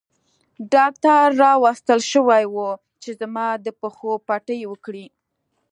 ډاکټر راوستل شوی وو چې زما د پښو پټۍ وکړي.